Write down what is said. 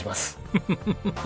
フフフフフ。